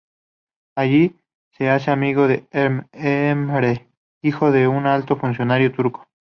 Allí, se hace amigo de Emre, hijo de un alto funcionario turco.